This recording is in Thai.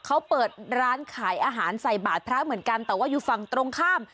เขาเปิดร้านขายอาหารใส่บาทพระเหมือนกันแต่ว่าอยู่ฝั่งตรงข้าม